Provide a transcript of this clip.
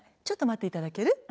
ちょっと待っていただける？